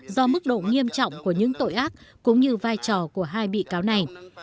do mức độ nghiêm trọng của những tội ác cũng như vai trò của hai bị cáo này